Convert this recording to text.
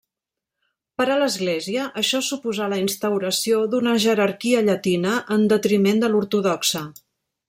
Per a l'Església, això suposà la instauració d'una jerarquia llatina, en detriment de l'ortodoxa.